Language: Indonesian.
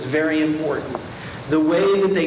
cara mereka memulai